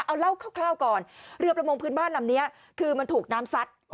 เอาเล่าคร่าวก่อนเรือประมงพื้นบ้านลำนี้คือมันถูกน้ำซัด